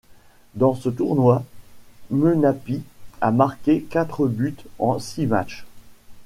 Dans ce tournoi, Menapi a marqué quatre buts en six matchs.